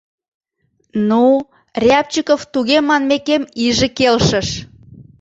Ну, Рябчиков туге манмекем иже келшыш.